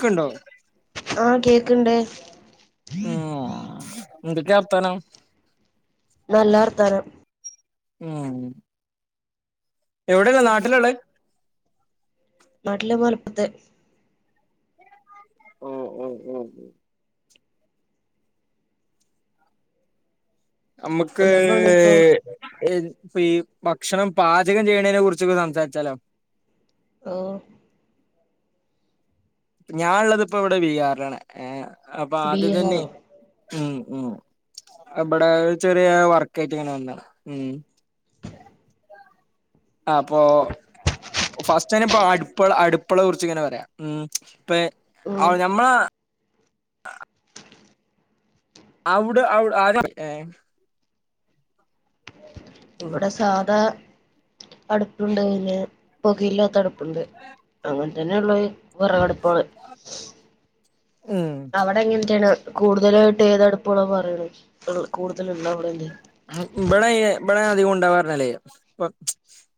ക്ക്ണ്ടോ ആഹ് കേക്ക്ണ്ട് എന്തക്കെവർത്താനം നല്ല വർത്താനം മ് എവിട്ള്ളേ നാട്ടിലാള്ളേ നാട്ടില് മലപ്പത്ത് ഓ ഓ ഓ ഉം നമ്മക്ക് എന്താ പണിയിപ്പോ എയ് ഇപ്പൊ ഈ ഭക്ഷണം പാചകം ചെയ്യണേന കുറിച്ചൊക്ക സംസാരിച്ചാലോ ഓ ഞാനൊള്ളത് ഇപ്പോ ഇവിടെ ബീഹാറിലാണ് ഏ അപ്പൊ ആദ്യം തന്നെ ബീഹാറോ ഉം ഉം ഇമ്പടെ ചെറിയ വർക്കായിട്ട് ഇങ്ങനെ വന്നാ ഉം അപ്പൊ ഫസ്റ്റനെ ഇപ്പോ അടുപ്പള അടുപ്പളെ കുറിച്ച് ഇങ്ങനെ പറയാ ഉം ഇപ്പെ ഉം അവ ഞമ്മള അവ്ട അവ് [unintelligible] ഇവിടെ സാധാ അടുപ്പുണ്ട് പിന്നെ പുകയിലാത്ത അടു പ്പുണ്ട് അങ്ങനെ തന്നെ ഉള്ളത് വെറകടുപ്പാണ് ഉം അടെ എങ്ങനത്തേണ് കൂടുതലായിട്ട് ഏതടുപ്പുകളാ പറയ്ണകൂടുതല്ള്ള അവിടെന്നെ മ് ഇബട ഇയ് ഇബടെ അധികം ഉണ്ടാവാർഞാല്ലേ പ്പൊ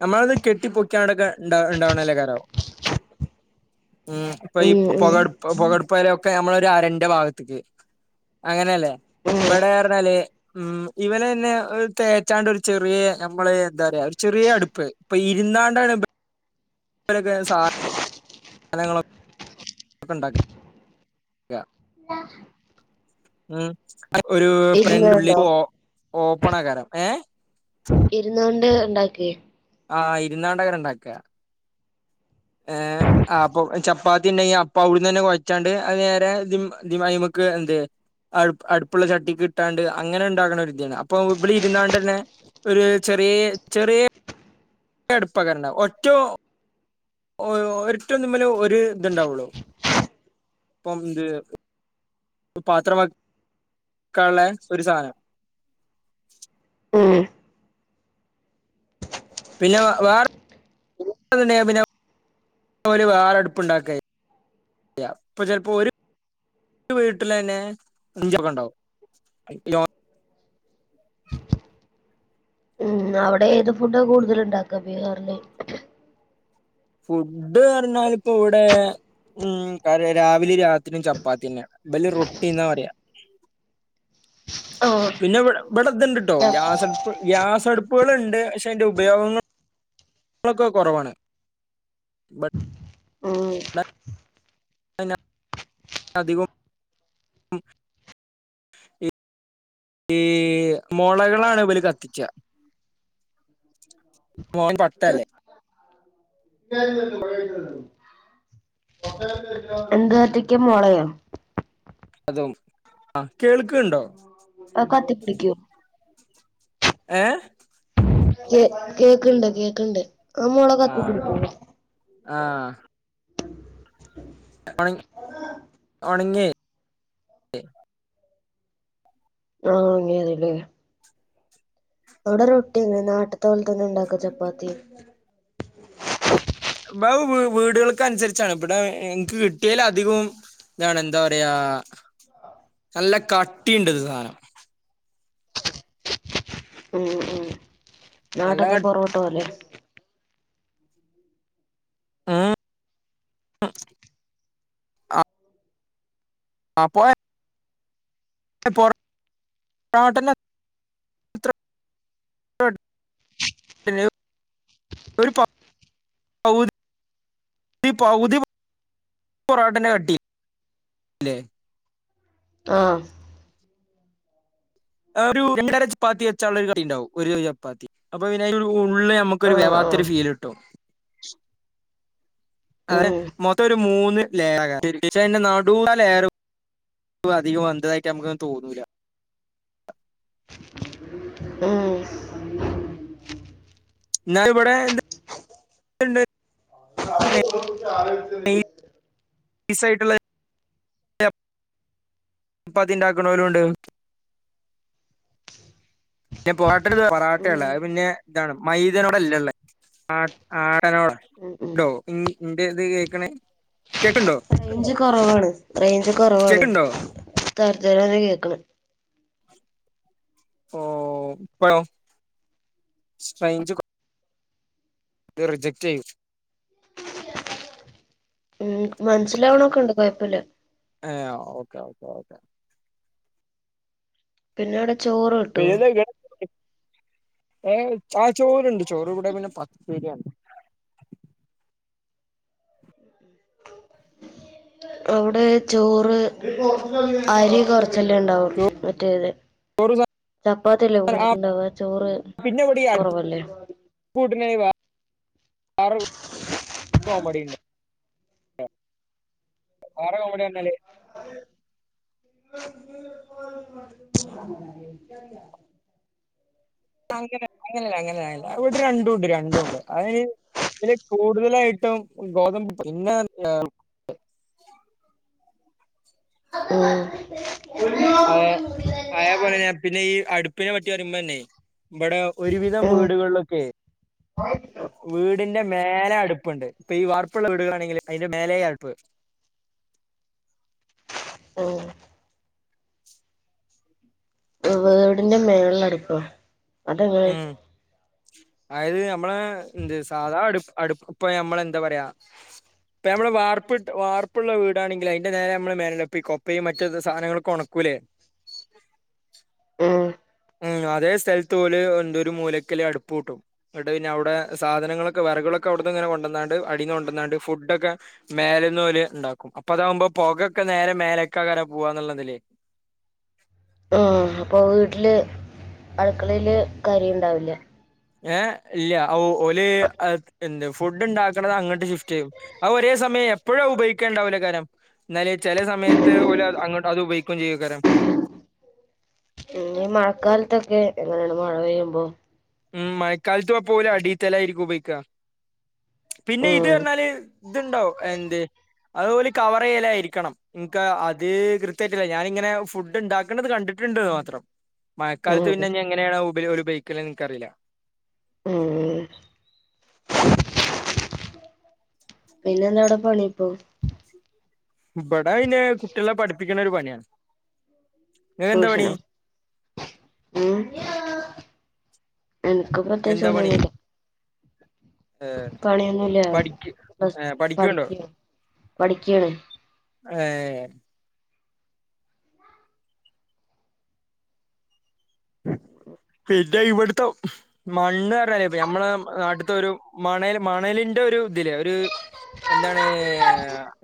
നമ്മളവ്ന്ന് കെട്ടി പൊക്കിയാടൊക്കെ ഉണ്ടാ ഉണ്ടാവണല്ലേ കാരോ ഉം ഇപ്പൊ ഈ പൊ പൊക അടു പൊ പൊക അടുപ്പ്കാരെയൊക്കെ നമ്മളൊരു അരന്റെ ഭാഗത്തെക്ക് അങ്ങനെയല്ലേ ഉം ഇബടെ റ്ഞ്ഞാല് മ് ഇവരന്നെ ഒ തേച്ചാണ്ട് ഒരു ചെറിയ ഞമ്മള് എന്താ റയാ ഒരു ചെറിയ അടുപ്പ് ഇപ്പൊ ഇരുന്നാണ്ടാണ് ബ രൊക്കെ സാ നങ്ങളൊ ണ്ടാക്ക ക്ക ഓ ഉം ഒരു പ്രററ്റ് ഇരുന്നുണ്ടോ ഉുള്ളിക്ക് ഓ ഓപ്പണക്കരം ഏഹ് ഇര്ന്നൊണ്ട് ഇണ്ടാക്കെ ആഹ് ഇരുന്നാണ്ടക്കര ണ്ടാക്ക ഏഹ് അപ്പൊ ചപ്പാത്തി ഇണ്ടങ്കി അപ്പ അവിട് ന്നെ കൊഴച്ചാണ്ട് അത് നേരെത് മ അയ്മ ക്ക് ന്തേ അട് അട്പ്പ്ള്ള ചട്ടിക്ക് കിട്ടാണ്ട് അങ്ങനെ ഇണ്ടാകണ ഒരു ഇദ്യയാണ് അപ്പൊ ഇബളി രു ന്നാണ്ടന്നെ ഒരു ചെറിയെ ചെറിയെ അട്പ്പ കാരണ്ട വ ഒറ്റോ ഓ ഒരൊറ്റ നമ്മല് ഒരു ഇത്ണ്ടാവുള്ളു ഇപ്പം ഇത് പ്പം പാത്രവെക്കാ ള്ളെ ഒരു സാ നം ഉം പിന്നെ വെ വേറെണ്ട്ന്ന് ണ്ടങ്കി പിന്നെ ഓല് വേറെ അടുപ്പ് ഇണ്ടാക്കചെയ്യാ പ്പൊ ചലപ്പോ ഒര് ര് വീട്ടിലെന്നെ ഇഞ്ചൊക്കെ ഇ ണ്ടാവും ഉം അവിടെ ഏത് ഫുഡ കൂടുതല് ണ്ടാക്ക ബീഹാറില് ഫുഡ് റഞ്ഞാല് ഇപ്പൊ ഇവിടെ ഉം കാര്യ രാവിലെ രാത്രി ചപ്പാത്തി ന്നെയാ ഇബല് റൊട്ടി ന്നാ പറയാ ആഹ് പിന്നെ വിടെ ബടെ ത്ണ്ടിട്ടോ ഗ്യാസട് പ്പ് ഗ്യാസടുപ്പുകള്ണ്ട് പക്ഷേ അയിൻ്റെ ഉപയോഗളൊക്കെ കൊ റവാണ് ഉം അ എന്നെ അധികോം മ് അം ഈ മൊളകളാണ് ഇവര് കത്തിച്ച [unintelligible] അല്ലേ [unintelligible] എന്ത് കത്തിക്കും മൊളയോ അതും ആ കേൾകണണ്ടോ അ കത്തിപ്പിടിക്കോ ഏഹ് കേ കേക്ക്ണ്ട് കേക്ക്ണ്ട് ആ മു ള കത്തിപിടിക്കോ ആഹ് ണങ്ങി ഒണങ്ങിയ് ആഹ് ണങ്ങിയത് ലെ അവിടെ റൊട്ടി എങ്ങനെ നാട്ട്ത്തെ പോലെത്ത തന്നെ ഇണ്ടാക്ക ചപ്പാത്തി ബ വീട്കൾക്ക അൻസരിച്ചാണ് ഇബടെ ഇനിക്ക് കിട്ടിയല ധികോം ഇതാണ് എന്താ പറയാ നല്ല കട്ടിയൂണ്ട്ത് സാദനം ഉം ഉം നല്ല നാട്ടത്തെ പൊറോട്ടോപോലെ ഉ അഹ് അ പ്പോ പോറ [unintelligible] ഹോട്ടലിൽ [unintelligible] ഈ പവ്തി പൊറോട്ടന്റെ കട്ടില്ലേ ആഹ് ഒരു രണ്ടര ചപ്പാത്തി വെച്ച ഒരു കട്ടി ണ്ടാവും ഒരു ചപ്പാത്തി അപ്പൊ പിന്നെ ഉള്ളമ്മ ഒരു ആഹ് വേവാത്ത ആഹ് ഒരു ഫീല്ട്ടും ഉം ഒരു മൂന്ന് ലെയാറാക്കരം പക്ഷെ നടുത്തെ ലെയർ വ്വ് അധികം വന്നതായിട്ട് നമുക്ക് തോന്നൂല്ല. ഉം.. ന്നാൾ ഇവിടെ... എന്തുണ്ട് ഈ ഈ സൈഡിലുള്ള.... ഇപ്പൊ അത് ഉണ്ടാക്കണവരും ഉണ്ട്. ഞാൻ പൊറാട്ട പൊറാട്ട ഉം ല്ല. ഉം പിന്നെ ഇതാണ് മൈദ നോടളല്ലേ ആടനോട്... ഉം ഉണ്ടോ ഇന്റെ ഇത് കേക്കണേ കേക്കണ്ടോ? റേഞ്ച് കുറവാണ്! റേഞ്ച് കുറവാണ്! സ്റ്റെക്കുണ്ടോ തരത്തില കേൾക്കണെ. ഓഹ്! ഇപ്പഴോ? റേഞ്ച് റിജക്ട് ചെയ്.. ഉം... മനസ്സിലാവണൊക്കെയുണ്ട്. കുഴപ്പമില്ല. ഏ ആഹ്! Okay okay okay! പിന്നെ ഇവിടെ ചോറ്. കിട്ടോ പേരെന്താ? ആ ചോറണ്ട് ചോറ് കൂടെ പിന്നെ പത്ത് പേരണ്ട്. ഉം.. അവിടെ ചോറ്, അരി കുറച്ച്.... ച്ചല്ലേ ഉണ്ടാവു? മറ്റേത്... ചോറ് സാ- ചപ്പാത്തിയല്ലേ ആ കൂടുതലണ്ടാവ? ചോറ് കുറവല്ലേ? കൂട്ടന... [unintelligible] വറ കോമഡി.... എന്തന്നാൽ [inaudible] അങ്ങന അങ്ങനല്ല അങ്ങനെയല്ല ഇവിടെ രണ്ടും ഉണ്ട്! രണ്ടും ഉണ്ട്! അതി.... ഇതില് കൂടുതലായിട്ടും ഗോതമ്പ് പിന്നെ... ഉം... ആയ് ആയ പോലെ തന്നാ പിന്നെ ഈ അടുപ്പിനെ പറ്റി പറയ... ഇവിടെ ഒരുവിധം ഉം വീടുകളിലൊക്കെയെ വീടിന്റെ മേലെ അടുപ്പുണ്ട് ഇപ്പൊ ഈ വാർപ്പുള്ള വീടുകളാണെങ്കിൽ അതിന്റെ മേലെ അടുപ്പ് ഓഹ് വീടിന്റെ മേളിലടുപ്പോ? അതെങ്ങനെ? ഉം അതായത് നമ്മള എന്ത് സാധാ അടു അടുപ്പ ഇപ്പൊ ഞമ്മള എന്താ പറയാ? ഇപ്പ നമ്മള് വാർപ്പ വാർപ്പുള്ള വീടാണെങ്കി അതിന്റെ നേരെ നമ്മള് മേന ഈ കൊപ്പയും മറ്റ സാധനങ്ങള ഒണക്കൂല്ലേ? ഏഹ് ഉം അതേ സ്ഥലത്ത് പോലെ എന്തൊരു മൂലക്കല് അടുപ്പ് കൂട്ടും. എന്നട്ട് പിന്നെ അവിടെ സാധനങ്ങളൊക്കെ വിറകളൊക്കെ അവിടുന്ന് ഇങ്ങനെ കൊണ്ടന്നാണ്ട് അടീന്ന് കൊണ്ടന്നാണ്ട് ഫുഡൊക്കെ മേലന്നു പോലെ ഉണ്ടാക്കും അപ്പൊ അതാകുമ്പോ പുകയൊക്കെ നേരെ മേലേക്കാ പോവാന്നുള്ളതില്ലേ ആഹ് അപ്പോ വീട്ടില് അടുക്കളയില് കരി ഉണ്ടാവില്ല. ഏഹ് ഇല്ല ഓല് എന്ത് ഫുഡ് ഉണ്ടാക്കണത് അങ്ങോട്ട് ഷിഫ്റ്റ്‌ ചെയ്യും ആഹ് ഒരേ സമയം എപ്പോഴാ ഉപയോഗിക്കേണ്ടാവില്ല എന്നാല ചില സമയത്ത് ഒരു അങ്ങോട്ട് അത് ഉപയോഗിക്കുകയും ചെയ്യക്കരാം. മഴക്കാലത്തൊക്കെ എങ്ങനെയാണ്? മഴ പെയ്യുമ്പോ? ഉം മഴക്കാലത്ത് ഇപ്പോ പോല അടിയത്ത നിലായിക്ക ഉപയോഗിക്കാ പിന്നെ ഇത് ഉം പറഞ്ഞാല് ഇത് ണ്ടോ? എന്ത് അതുപോലെ കവർ ചെയലായിരിക്കണം നിങ്ങക്ക് അത് കൃത്യമായിട്ടില്ല ഞാനിങ്ങനെ ഫുഡ് ഉണ്ടാക്കുന്നത് കണ്ടിട്ടുണ്ടന്ന് മാത്രം ഉം മഴക്കാലത്ത് പിന്നെ എങ്ങനെയാണ് ഉപയോഗിക്ക എന്ന് എനക്കറിയില്ല ഉം [unintelligible] പിന്നെ എന്താ അവിടെ പണി ഇപ്പോ? ഇവിടെ ഇനി കുട്ടികളെ പഠിപ്പിക്കുന്ന ഒരു പണിയാ ട്യൂഷനോ? ഉം? എനക്ക് പ്രത്യേകച്ച് ഒന്നുല്ല. ഏഹ് പണിയൊന്നുല്ല പഠിക്കും പ്ലസ് ഏഹ് പഠിക്കുണുണ്ടോ പഠിക്ക പഠിക്കാണ് ഏഹ് ഇന്റെ ഇവിടുത്തം മണ്ണ് പറഞ്ഞാലേ നമ്മളെ നാട്ടിത്തോരു മണൽ മണലിന്റെ ഒരു ഇതിലേ ഒരു എന്താണ്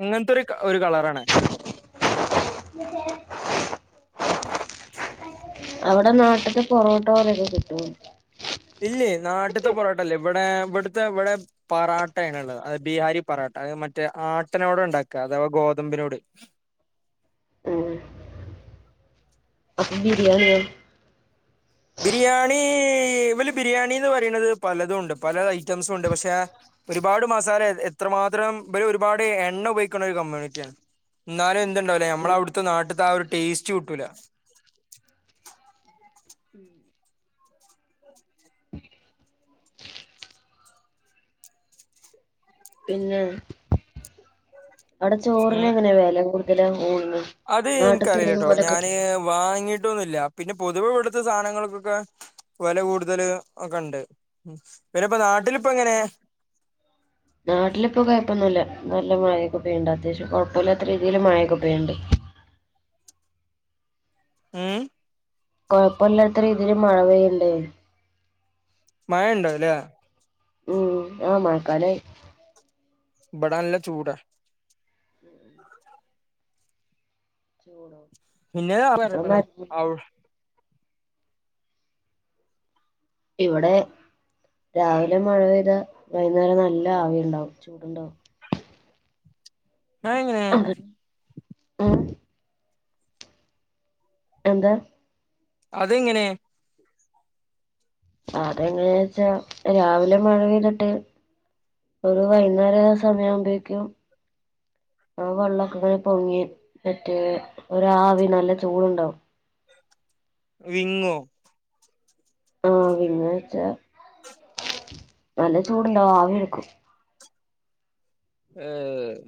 അങ്ങനത്തൊരു ഒരു കളറാണ് [inaudible] [inaudible] അവിടെ നാട്ടിത്തെ പൊറോട്ടോ പോലെയൊക്കെ കിട്ടോ ഇല്ലേ നാട്ടിത്തെ പൊറോട്ടയില്ല ഇവിടെ ഇവിടുത്തെ ഇവിടെ പറാട്ടയാണുള്ളത് അത് ബിഹാരി പറാട്ട അത് മറ്റേ ആട്ടനോട് ഉണ്ടാക്കുക അഥവാ ഗോതമ്പിനോട് ഉം അപ്പൊ ബിരിയാണിയോ ബിരിയാണി ഇവല് ബിരിയാണിന്ന് പറയണത് പലതുമുണ്ട് പല ഐറ്റംസുമുണ്ട് പക്ഷെ ഒരുപാട് മസാല എത്രമാത്രം ഇബര് ഒരുപാട് എണ്ണ ഉപയോഗിക്കുന്ന ഒരു കമ്മ്യൂണിറ്റിയാണ് എന്നാലും എന്തുണ്ടാവുലേ ഞമ്മളെ അവിടുത്തെ നാട്ടിത്തെ ആഹ് ഒരു ടേസ്റ്റ് കിട്ടൂല [inaudible] പിന്നെ അവിടെ ഉം ചോറിനെങ്ങനെ വില കൂടുതല ഊണിന് അത് നാട്ടിത്തെ എനിക്കറിയില്ലാട്ടോ പോലെ ഞാന് കിട്ടും വാങ്ങിട്ടൊന്നുമില്ല പിന്നെ പൊതുവെ ഇവിടുത്തെ സാധനങ്ങൾക്കൊക്കെ വില കൂടുതല് ഒക്കെണ്ട് പിന്നെപ്പ നാട്ടിലിപ്പ എങ്ങനെ നാട്ടിലിപ്പോ കുഴപ്പൊന്നുമില്ല നല്ല മഴയൊക്കൊ പെയ്യിണ്ട് അത്യാവശ്യം കുഴപ്പമില്ലാത്ത രീതിയിൽ മഴയൊക്കെ പെയ്യിണ്ട് ഉം കുഴപ്പമില്ലാത്ത രീതിയില് മഴ പെയ്യിണ്ട് മഴയിണ്ടോ അതിലേ ഉം ആഹ് മഴക്കാലായി ഇബടെ നല്ല ചൂടാ ചൂടോ പിന്നെ [unintelligible] ഇവിടെ രാവിലെ മഴ പെയ്താ വൈന്നേരം നല്ല ആവിയുണ്ടാവും ചൂടുണ്ടാവും അതെങ്ങനെ ഉമ് എന്താ അതെങ്ങനെ അതെങ്ങനെയാ വെച്ചാ രാവിലെ മഴ പെയ്തിട്ട് ഒരു വൈകുന്നേര സമയമാവുമ്പേക്കും ആഹ് വെള്ളക്കെ ഇങ്ങനെ പൊങ്ങി മറ്റേ ഒരാവിയാണ് നല്ല ചൂടുണ്ടാവും വിങ്ങോ ആഹ് വിങ്ങുവെച്ചാ നല്ല ചൂടുണ്ടാവും ആവി എടുക്കും ഏഹ്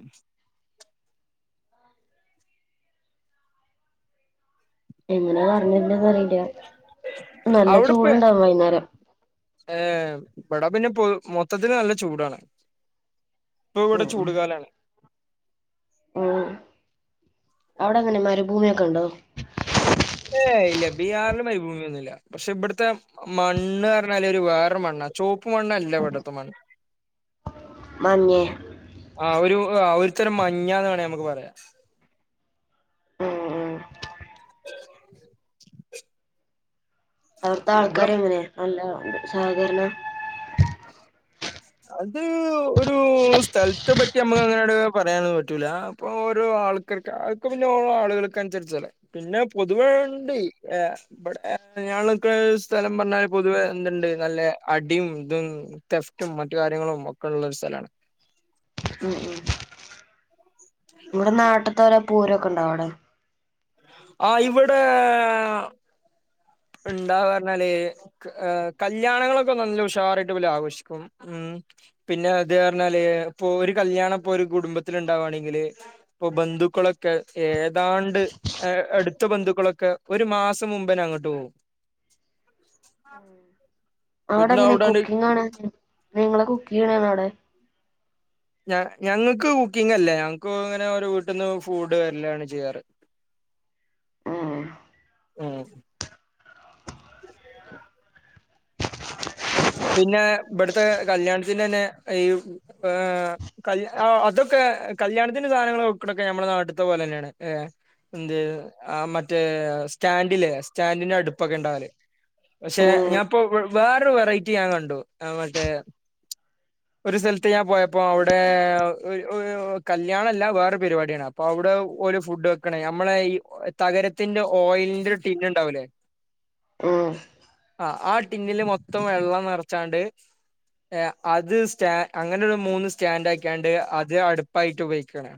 എങ്ങനെ പറഞ്ഞെരണ്ടത് അറിയില്ല നല്ല അവിടെപ്പ ചൂടുണ്ടാവും വൈകുന്നേരം ഏഹ് ഇബിടെ പിന്നെ മൊത്തത്തിൽ നല്ല ചൂടാണ് ഇപ്പൊ ഇവിടെ ഉം ചൂടു കാലാണ് ഉമ് അവിടെ അങ്ങനെ മരുഭൂമിയൊക്കെ ഉണ്ടോ ഏഹ് ഇല്ല ബീഹാറിൽ മരുഭൂമിയൊന്നുല്ല പക്ഷെ ഇവിടത്തെ മണ്ണ് പറഞ്ഞാല് ഒരു വേറെരു മണ്ണാ ചുവപ്പ് മണ്ണല്ല ഇവിടത്തെ മണ്ണ് മഞ്ഞെ ആഹ് ഒരു ഒരുതരം മഞ്ഞാന്ന് വേണങ്കിൽ നമുക്ക് പറയാം ഉം ഉം അവിടുത്തെ ഇവിടെ ആൾക്കാരെങ്ങനെയാ നല്ല സഹകരണാണ് അത് ഒരു സ്ഥലത്തെ പറ്റി ഞമ്മക്ക് അങ്ങനട് പറയാനൊന്നും പറ്റൂല അപ്പോ ഓരോ ആൾക്കാർക്ക് അതൊക്കെ പിന്നെ ഓരോ ആളുകൾക്ക് അനുസരിച്ചല്ലേ പിന്നെ പൊതുവേ ഇണ്ട് ഏഹ് ഇബിടെ ഞങ്ങള്ക്ക്ണ സ്ഥലം പറ്ഞ്ഞാല് പൊതുവെ എന്തുണ്ട് നല്ല അടിം ഇതും തെഫ്റ്റും മറ്റു കാര്യങ്ങളും ഒക്കെള്ള ഒര് സ്ഥലാണ് ഉമ് ഉമ് ഇവിടെ നാട്ട്ത്തെ ഒരോ പൂരൊക്കെണ്ടാവൊ അവിടെ ആഹ് ഇവിടെ ഇണ്ടാവാറ്ഞ്ഞാല് ക് കല്യാണങ്ങളൊക്കെ നല്ല ഉഷാറായിട്ട് വല് ആഘോഷിക്കും ഉമ് പിന്നെ അത് പറ്ഞ്ഞാല് ഇപ്പൊ ഒരു കല്യാണ ഇപ്പൊ ഒരു കുടുംബത്തില്ണ്ടാവാണെങ്കില് ഇപ്പൊ ബന്ധുക്കളൊക്കെ ഏതാണ്ട് ഏഹ് അടുത്ത ബന്ധുക്കളൊക്കെ ഒരു മാസം മുമ്പന്നെ അങ്ങട്ട് പോവും അവിടെ പിന്നെ എങ്ങനെ അവിടാണ്ട് കുക്കിങ്ങാണങ് നിങ്ങള് കുക്ക്യ്യാണൊവിടെ ഞ ഞങ്ങക്ക് കുക്കിംങ്ങല്ല ഞങ്ങക്ക് ഇങ്ങനെ ഓരോ വീട്ടിന്ന് ഫൂഡ് വര്ലാണ് ചെയ്യാറ് [inaudible] ഉമ് പിന്നെ ഇബട്ത്തെ കല്യാൺത്തിനന്നെ ഈ ഏഹ് കല് അഹ് അതൊക്കെ കല്യാൺത്തിന് സാധനങ്ങള് വെക്ക്ണൊക്കെ ഞമ്മളെ നാട്ട്ത്തെ പോലെന്നെണ് ഏഹ് എന്ത് ആഹ് മറ്റേ സ്റ്റാൻഡിലേ സ്റ്റാൻഡിന്റെ അടുപ്പൊക്കെ ഉണ്ടാവല് പഷേ ഉം ഞാൻപ്പൊ വേറൊരു വെറൈറ്റി ഞാൻ കണ്ടു അഹ് മറ്റേ [inaudible] ഒരു സൽത്ത് ഞാൻ പോയപ്പോ ഔടെ ഒഹ് കല്യാണല്ല വേറെ പരിപാടിയാണ് അപ്പൊ അവിടെ ഓല് ഫുഡ് വെക്കണ് നമ്മളെ ഈ തകരത്തിന്റെ ഓയിലിന്റെ രു ടിന്ന് ഇണ്ടാവൂലെ ഉമ് ആഹ് ടിന്നില് മൊത്തം വെള്ളം നെറച്ചാണ്ട് ഏഹ് അത് സ്റ്റാ അങ്ങനെ ഒരു മൂന്ന് സ്റ്റാൻഡ് ആക്കിയാണ്ട് അത് അടുപ്പായിട്ട് ഉപയോഗിക്കാണ്